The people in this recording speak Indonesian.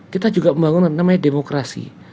kita juga membangun namanya demokrasi